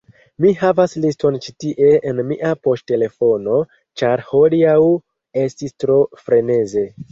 Mi havas liston ĉi tie en mia poŝtelefono ĉar hodiaŭ estis tro freneze